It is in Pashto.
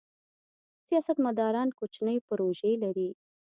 سیاستمداران کوچنۍ پروژې لري.